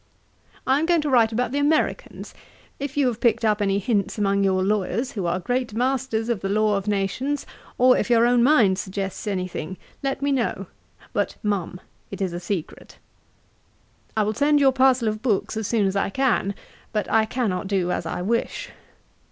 'I am going to write about the Americans. If you have picked up any hints among your lawyers, who are great masters of the law of nations, or if your own mind suggests any thing, let me know. But mum, it is a secret. 'I will send your parcel of books as soon as I can; but I cannot do as I wish.